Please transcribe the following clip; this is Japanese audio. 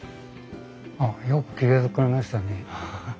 ああよく気が付かれましたね。